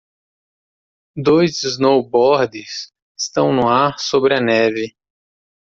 Dois snowboarders estão no ar sobre a neve